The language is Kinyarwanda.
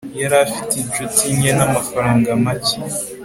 yari afite inshuti nke namafaranga make